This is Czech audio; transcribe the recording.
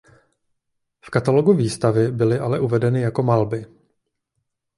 V katalogu výstavy byly ale uvedeny jako malby.